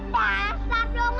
pas lah dong